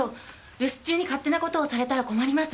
留守中に勝手な事をされたら困ります。